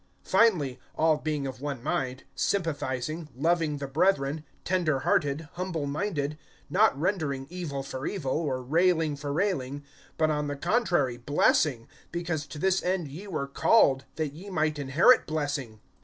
(8)Finally, all being of one mind, sympathizing, loving the brethren, tender hearted, humble minded; (9)not rendering evil for evil, or railing for railing; but on the contrary blessing, because to this end ye were called, that ye might inherit blessing.